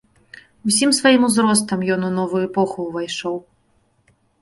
Усім сваім узростам ён у новую эпоху ўвайшоў.